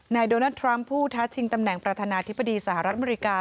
โดนัลดทรัมป์ผู้ท้าชิงตำแหน่งประธานาธิบดีสหรัฐอเมริกา